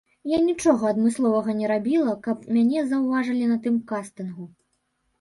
Я нічога адмысловага не рабіла, каб мяне заўважылі на тым кастынгу.